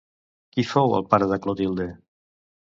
Qui fou el pare de Clotilde?